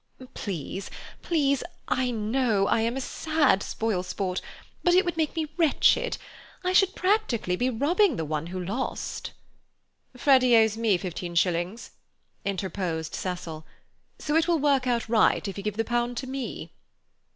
"Please—please—I know I am a sad spoil sport, but it would make me wretched. I should practically be robbing the one who lost." "Freddy owes me fifteen shillings," interposed Cecil. "So it will work out right if you give the pound to me."